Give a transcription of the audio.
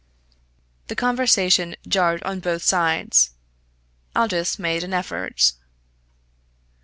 The conversation jarred on both sides. Aldous made an effort.